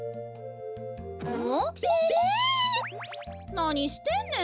なにしてんねん？